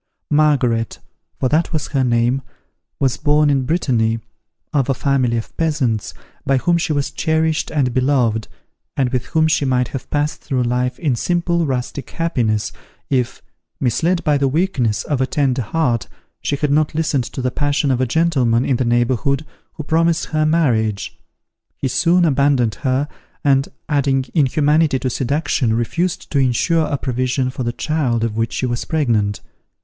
Margaret (for that was her name) was born in Brittany, of a family of peasants, by whom she was cherished and beloved, and with whom she might have passed through life in simple rustic happiness, if, misled by the weakness of a tender heart, she had not listened to the passion of a gentleman in the neighbourhood, who promised her marriage. He soon abandoned her, and adding inhumanity to seduction, refused to insure a provision for the child of which she was pregnant.